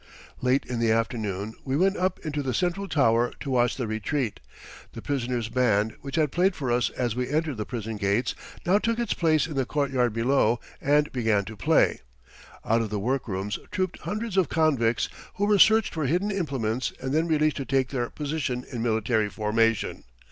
Late in the afternoon we went up into the central tower to watch the "retreat." The prisoners' band, which had played for us as we entered the prison gates, now took its place in the courtyard below and began to play. Out of the workrooms trooped hundreds of convicts, who were searched for hidden implements and then released to take their position in military formation.